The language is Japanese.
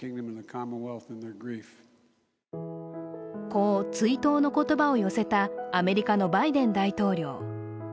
こう追悼の言葉を寄せたアメリカのバイデン大統領。